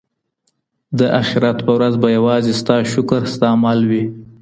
د اخیرت په ورځ به یوازې ستا شکر ستا مل وي.